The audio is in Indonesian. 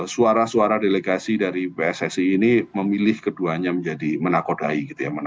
suara suara delegasi dari pssi ini memilih keduanya menjadi menakodai gitu ya